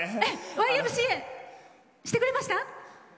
「Ｙ．Ｍ．Ｃ．Ａ．」してくれました？